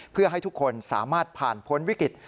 เพื่อให้ทุกคนสามารถผ่านพ้นวิกฤต